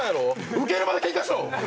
ウケるまでケンカしろ！